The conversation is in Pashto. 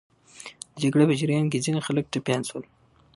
د جګړې په جریان کې ځینې خلک ټپیان سول.